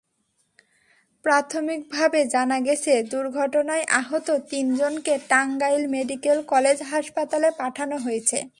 প্রাথমিকভাবে জানা গেছে, দুর্ঘটনায় আহত তিনজনকে টাঙ্গাইল মেডিকেল কলেজ হাসপাতালে পাঠানো হয়েছে।